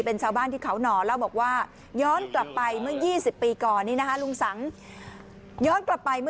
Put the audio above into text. เป็นชาวบ้านที่เขาหน่อและบอกว่าย้อนกลับไปเมื่อ๒๐ปีก่อน